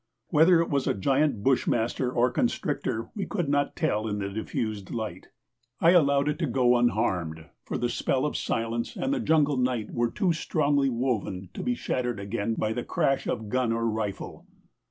Whether it was a giant bushmaster or a constrictor, we could not tell in the diffused light. I allowed it to go unharmed, for the spell of silence and the jungle night was too strongly woven to be shattered again by the crash of gun or rifle.